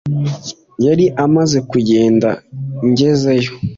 Yari amaze kugenda ngezeyo